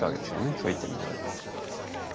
そういった意味では。